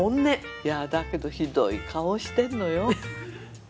いやだけどひどい顔してんのよ